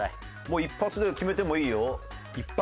もう１発で決めてもいいよ。